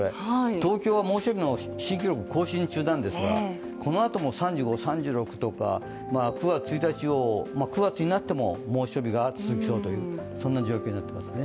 東京は猛暑日新記録を更新中なんですけど、このあとも３５、３６とか、９月になっても猛暑日が続きそうという状況になっていますね。